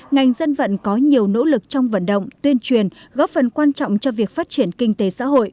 ngành dân vận có nhiều nỗ lực trong vận động tuyên truyền góp phần quan trọng cho việc phát triển kinh tế xã hội